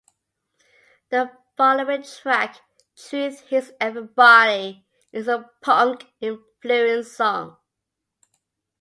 The following track, "Truth Hits Everybody", is a punk-influenced song.